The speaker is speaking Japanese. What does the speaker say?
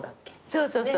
そうそうそう。